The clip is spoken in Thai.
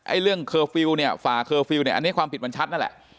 เรื่องเคอร์ฟิลล์เนี่ยฝ่าเคอร์ฟิลล์เนี่ยอันนี้ความผิดมันชัดนั่นแหละ